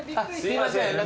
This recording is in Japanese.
すいません。